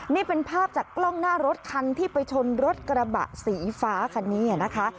นี่เป็นภาพจากกล้องหน้ารถคันที่ไปชนรถกระบะสีฟ้าคันนี้นะคะ